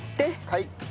はい。